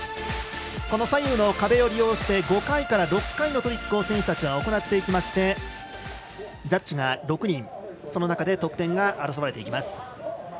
左右の壁を利用して５回から６回のトリックを選手たちは行っていってジャッジが６人その中で得点が争われます。